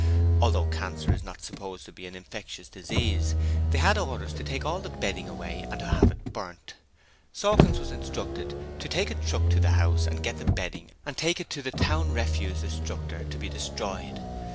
Although cancer is not supposed to be an infectious disease, they had orders to take all the bedding away and have it burnt. Sawkins was instructed to take a truck to the house and get the bedding and take it to the town Refuse Destructor to be destroyed.